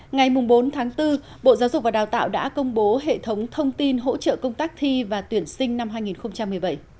ngày bốn tháng bốn bộ giáo dục và đào tạo đã công bố hệ thống thông tin hỗ trợ công tác thi và tuyển sinh năm hai nghìn một mươi bảy